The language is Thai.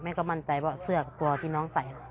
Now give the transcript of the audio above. มั่นใจว่าเสื้อกับตัวที่น้องใส่